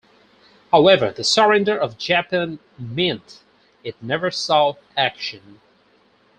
However, the surrender of Japan meant it never saw action.